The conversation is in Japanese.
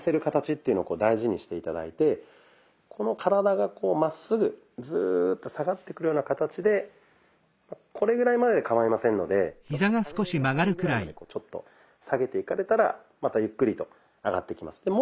形っていうのを大事にして頂いてこの体がこうまっすぐズーッと下がってくるような形でこれぐらいまででかまいませんのでちょっと下げれる範囲ぐらいまでこうちょっと下げていかれたらまたゆっくりと上がってきます。